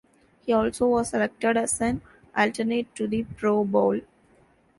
He also was selected as an alternate to the Pro Bowl.